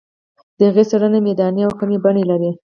د هغه څېړنه میداني او کمي بڼه لري.